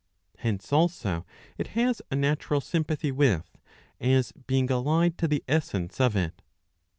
Hence also it lias a natural sympathy with, as being allied to the essence of it.